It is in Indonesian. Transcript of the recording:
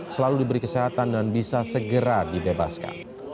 selalu diberi kesehatan dan bisa segera dibebaskan